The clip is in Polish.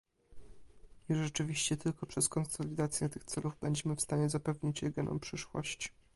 I rzeczywiście tylko poprzez konsolidację tych celów będziemy w stanie zapewnić regionom przyszłość